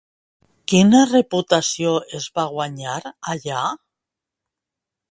Quina reputació es va guanyar, allà?